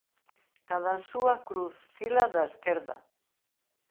Cadansúa cruz, fila da esquerda.